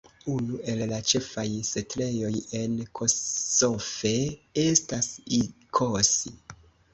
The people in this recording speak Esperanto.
Unu el la ĉefaj setlejoj en Kosofe estas Ikosi.